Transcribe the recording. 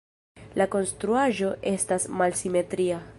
La konstruaĵo estas malsimetria.